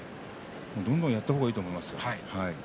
どんどんやった方がいいと思います。